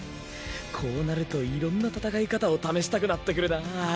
こうなるといろんな戦い方を試したくなってくるなぁ。